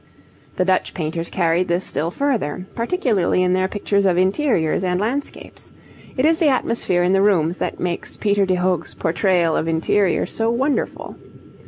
The Dutch painters carried this still further, particularly in their pictures of interiors and landscapes. It is the atmosphere in the rooms that makes Peter de Hoogh's portrayal of interiors so wonderful.